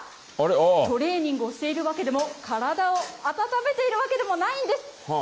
トレーニングをしているわけでも、体を温めているわけでもないんです。